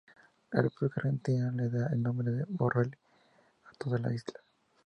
La República Argentina le da el nombre de Morrell a toda la isla.